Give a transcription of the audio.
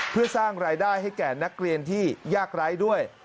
เพื่อสร้างรายได้ให้แก่นักเรียนที่ยากไร้ด้วย